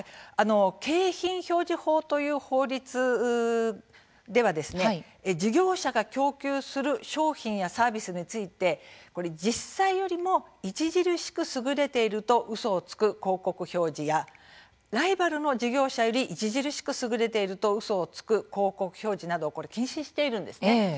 景品表示法という法律では事業者が供給する商品やサービスについて実際よりも著しく優れているとうそをつく広告表示やライバルの事業者より著しく優れているとうそをつく広告表示など禁止しているんですね。